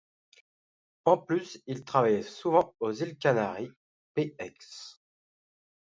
En plus, il travaillait souvent aux îles Canaries, p.ex.